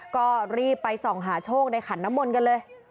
ก็รีบไปส่องหาโชคในขันน้ำมนต์กันเลย